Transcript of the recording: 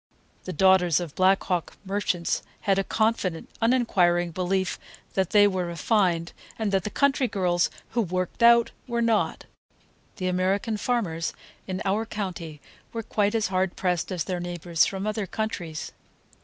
The daughters of Black Hawk merchants had a confident, uninquiring belief that they were "refined," and that the country girls, who "worked out," were not. The American farmers in our county were quite as hard pressed as their neighbors from other countries.